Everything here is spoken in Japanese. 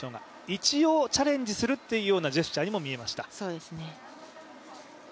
一応、チャレンジするっていうようなジェスチャーにも見えました。